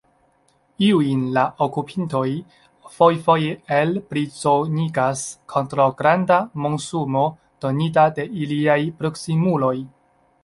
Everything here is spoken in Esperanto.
Iujn la okupintoj fojfoje elprizonigas kontraŭ granda monsumo donita de iliaj proksimuloj.